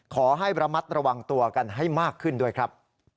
ขอให้ระมัดระวังตัวกันให้มากขึ้นด้วยครับ